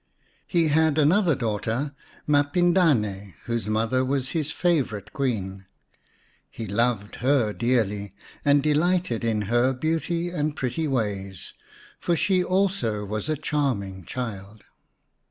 He had another daughter, Mapindane, whose mother was his favourite Queen. He loved her dearly, and delighted in her beauty and pretty ways, for she also was a charming child.